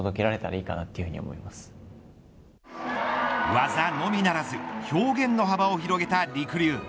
技のみならず表現の幅を広げたりくりゅう。